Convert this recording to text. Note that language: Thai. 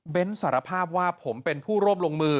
สารภาพว่าผมเป็นผู้ร่วมลงมือ